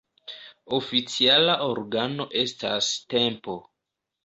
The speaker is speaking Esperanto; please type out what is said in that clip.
Oficiala organo estas Tempo.